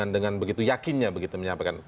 dengan begitu yakinnya begitu menyampaikan